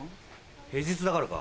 平日だからか。